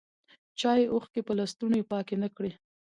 چایې اوښکي په لستوڼي پاکي نه کړې